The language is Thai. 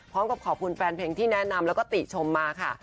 พร้อมกับขอบคุณแฟนเพลงที่แนะนำแล้วก็ติชมมาค่ะ